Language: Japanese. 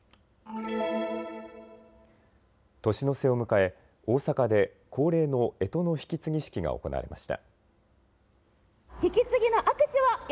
年の瀬を迎え、大阪で恒例のえとの引き継ぎ式が行われました。